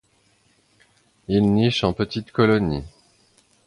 Il niche en petite colonie.